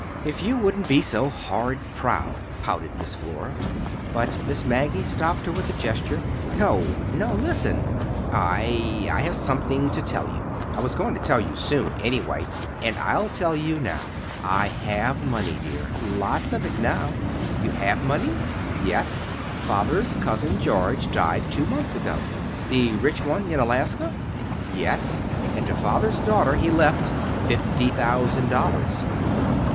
"If you wouldn't be so horrid proud," pouted Miss Flora. But Miss Maggie stopped her with a gesture. "No, no,—listen! I—I have something to tell you. I was going to tell you soon, anyway, and I'll tell it now. I have money, dear,—lots of it now." "You have money!" "Yes. Father's Cousin George died two months ago." "The rich one, in Alaska?" "Yes; and to father's daughter he left—fifty thousand dollars."